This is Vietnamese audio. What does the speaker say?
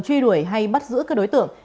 truy đuổi hay bắt giữ các đối tượng